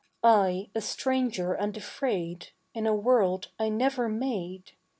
I, a stranger and afraid In a world I never made.